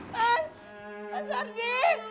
mas mas ardi